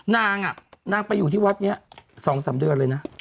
นางนางไปอยู่ที่วัดนี้๒๓เดือนเลยนะ